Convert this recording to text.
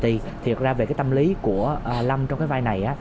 thì thực ra về tâm lý của lâm trong vai này